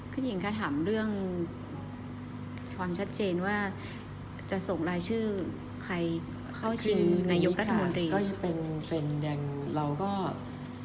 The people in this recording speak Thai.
คุณหญิงคะถามเรื่องความชัดเจนว่าจะส่งรายชื่อใครเข้าชิงนายกรัฐมนตรี